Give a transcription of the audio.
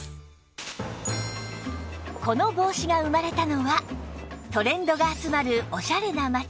この帽子が生まれたのはトレンドが集まるオシャレな街